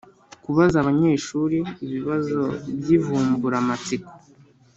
Kubaza abanyeshuri ibibazo by’ivumburamatsiko.